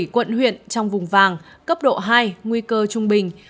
bảy quận huyện trong vùng vàng cấp độ hai nguy cơ trung bình